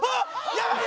やばい！